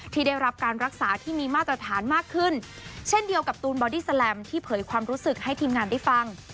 ที่ได้รับการรักษาที่มีมาตรฐานมากขึ้นเช่นเดียวกับตูนบอดี้แลมที่เผยความรู้สึกให้ทีมงานได้ฟัง